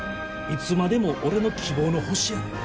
いつまでも俺の希望の星やで。